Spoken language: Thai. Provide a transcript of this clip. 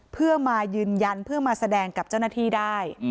เพื่อมายืนยันเพื่อมาแสดงกับเจ้าหน้าที่ได้